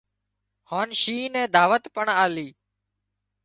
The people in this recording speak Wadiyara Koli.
هانَ شينهن نين دعوت پڻ آلي